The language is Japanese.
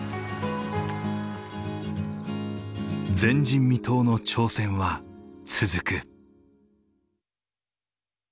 前人未到の挑戦は続く。